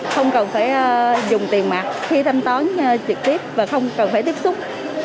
không cần phải dùng tiền mặt khi thanh toán trực tiếp và không cần phải tiếp xúc